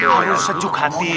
harus sejuk hati